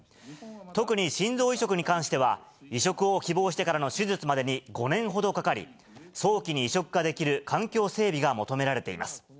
特に心臓移植に関しては、移植を希望してからの手術までに５年ほどかかり、早期に移植ができる環境整備が求められています。